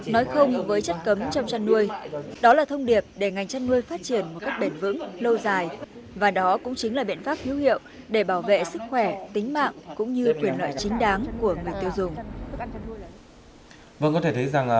nói không với chất cấm trong chăn nuôi đó là thông điệp để ngành chăn nuôi phát triển một cách bền vững lâu dài và đó cũng chính là biện pháp hữu hiệu để bảo vệ sức khỏe tính mạng cũng như quyền lợi chính đáng của người tiêu dùng